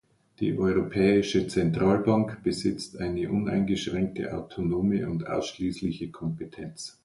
Die Europäische Zentralbank besitzt eine uneingeschränkte, autonome und ausschließliche Kompetenz.